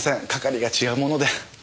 係が違うもので。